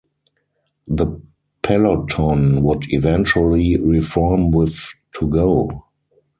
The peloton would eventually reform with to go.